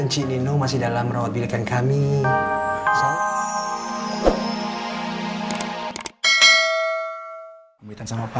si nino masih dalam merawat bilik yang kami